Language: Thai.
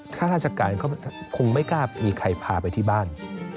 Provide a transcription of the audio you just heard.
ข้าราชการเขาคงไม่กล้ามีใครพาไปที่บ้าน